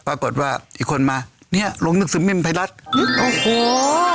ปรากฏว่าอีกคนมาเนี่ยโรงหนังสือพิมพ์ไทรัศน์